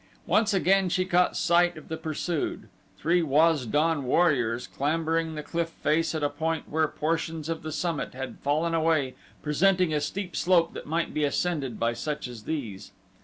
Once again she caught sight of the pursued three Waz don warriors clambering the cliff face at a point where portions of the summit had fallen away presenting a steep slope that might be ascended by such as these.